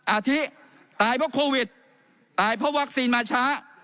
อาทิตายเพราะโควิดตายเพราะวัคซีนมาช้า